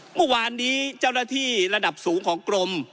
เมื่อวานนี้เจ้าหน้าที่ระดับสูงของกรม